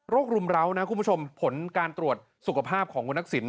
รุมร้าวนะคุณผู้ชมผลการตรวจสุขภาพของคุณทักษิณ